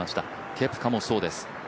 ケプカもそうです。